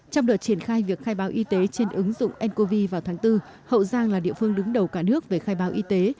trong đợt triển khai việc khai báo y tế trên ứng dụng ncov vào tháng bốn hậu giang là địa phương đứng đầu cả nước về khai báo y tế